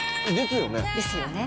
ですよね？